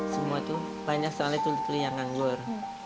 semua itu banyak soalnya tuli tuli yang nganggur